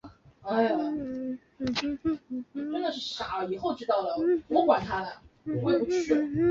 都能细化落到每一个检察院、每一个办案部门和每一位检察官